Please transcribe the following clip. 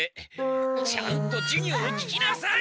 ちゃんと授業を聞きなさい！